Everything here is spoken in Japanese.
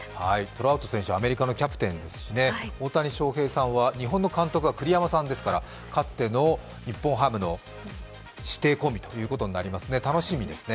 トラウト選手、アメリカのキャプテンですし、大谷翔平さんは日本の監督が栗山さんですからかつての日本ハムの師弟コンビということになりますね。